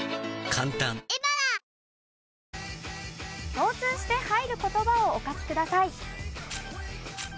共通して入る言葉をお書きください。